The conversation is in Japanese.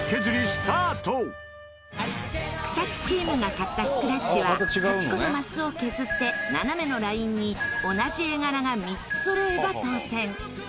草津チームが買ったスクラッチは８個のマスを削って斜めのラインに同じ絵柄が３つそろえば当せん。